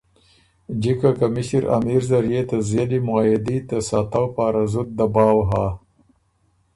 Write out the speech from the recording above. جِکه که مِݭِر امېر زر يې ته زېلی معاهدي ته ساتؤ پاره زُت دباؤ هۀ“